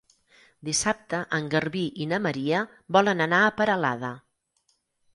Dissabte en Garbí i na Maria volen anar a Peralada.